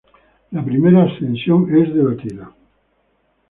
La primera ascensión es debatida.